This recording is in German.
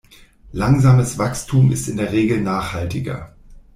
Langsames Wachstum ist in der Regel nachhaltiger.